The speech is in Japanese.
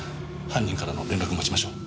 犯人からの連絡を待ちましょう。